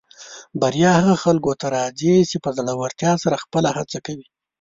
بریا هغه خلکو ته راځي چې په زړۀ ورتیا سره خپله هڅه کوي.